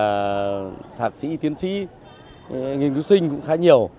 và thạc sĩ tiến sĩ nghiên cứu sinh cũng khá nhiều